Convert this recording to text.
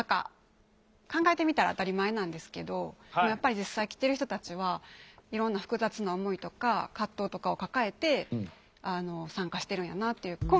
考えてみたら当たり前なんですけどやっぱり実際来てる人たちはいろんな複雑な思いとか葛藤とかを抱えて参加してるんやなっていう。